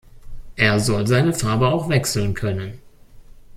Er soll seine Farbe auch wechseln können.